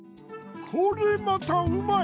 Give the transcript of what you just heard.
これまたうまい！